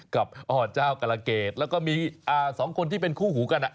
กับพ่อเจ้ากรเกตแล้วก็มีสองคนที่เป็นคู่หูกัน